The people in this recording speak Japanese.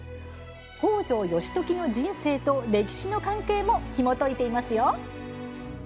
北条義時の人生と歴史の関係もひもといていますよ。